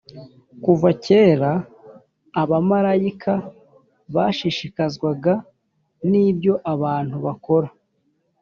kuva kera abamarayika bashishikazwaga n’ibyo abantu bakora